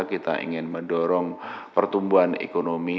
kita ingin mendorong pertumbuhan ekonomi